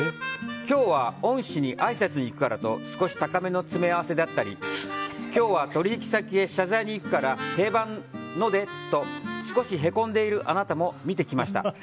今日は恩師にあいさつに行くからと少し高めの詰め合わせだったり今日は取引先へ謝罪に行くから定番のでと少しへこんでいるあなたも見てきました。